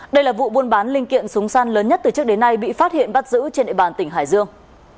đây là vụ buôn bán linh kiện súng săn lớn nhất từ trước đến nay bị phát hiện bắt giữ trên địa bàn tỉnh hải dương